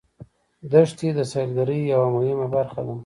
دښتې د سیلګرۍ یوه مهمه برخه ده.